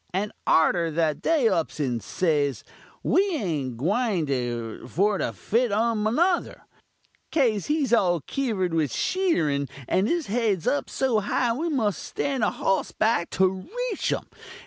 And arter that they ups and says, 'We ain't a gwying for to fite um nuther, 'caze he's all kiver'd with sheetirun, and his head's up so high we muss stand a hoss back to reach um!'